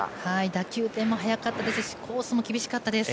打球点も速かったですしコースも厳しかったです。